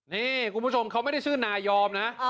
นี่คุณผู้ชมเขาไม่ได้ชื่อนายอมนะ